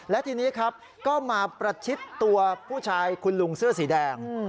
และทีนี้ครับก็มาประชิดตัวผู้ชายคุณลุงเสื้อสีแดง